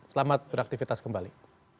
selamat beraktivitas kembali